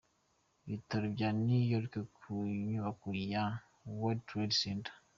Ibitero by’i New York ku nyubako za World Trade Center.